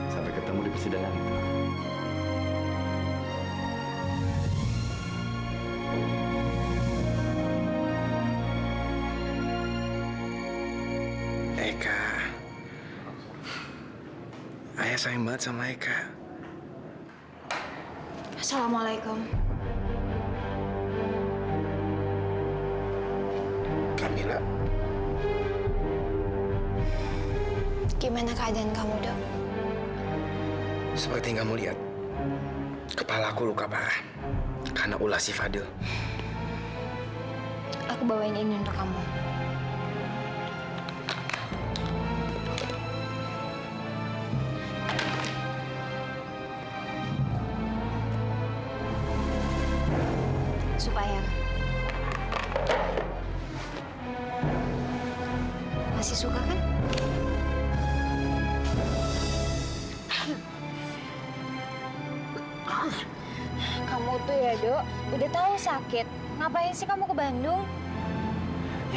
sampai jumpa di video selanjutnya